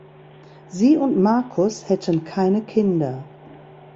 Sie und Markus hätten keine Kinder.